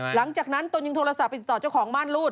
หลังจากนั้นต้นยังโทรศัพท์ไปติดต่อเจ้าของมา่านรูด